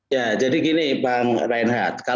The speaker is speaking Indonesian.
ya jadi gini bang reinhardt